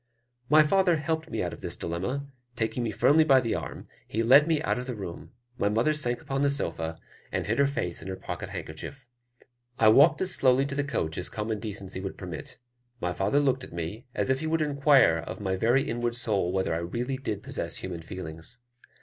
My father helped me out of this dilemma; taking me firmly by the arm, he led me out of the room: my mother sank upon the sofa, and hid her face in her pocket handkerchief. I walked as slowly to the coach as common decency would permit. My father looked at me, as if he would inquire of my very inward soul whether I really did possess human feelings?